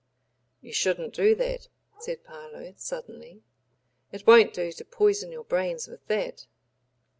"You shouldn't do that," said Parload, suddenly. "It won't do to poison your brains with that."